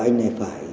anh này phải